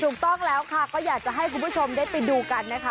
ถูกต้องแล้วค่ะก็อยากจะให้คุณผู้ชมได้ไปดูกันนะคะ